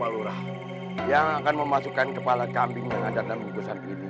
tuhan yang akan memasuki kepala kambing dengan dana bungkusan ini